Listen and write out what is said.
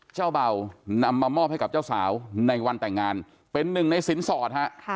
เจ้าเบานำมามอบให้กับเจ้าสาวในวันแต่งงานเป็นหนึ่งในสินสอดฮะ